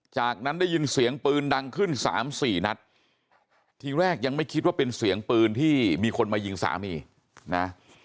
จากนั้นได้ยินเสียงปืนดังขึ้นสามสี่นัดทีแรกยังไม่คิดว่าเป็นเสียงปืนที่มีคนมายิงสามีนะ